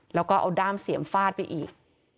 แล้วก็เอาด้ามเสียมฟาดไปอีก